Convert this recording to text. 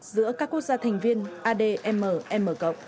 giữa các quốc gia thành viên admm